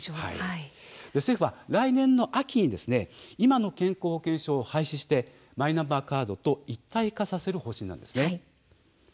政府は来年の秋に今の健康保険証を廃止してマイナンバーカードと一体化させる方針なんです。